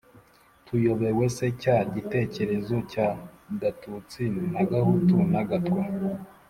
tuyobewe se cya gitekerezo cya gatutsi na gahutu, na gatwa?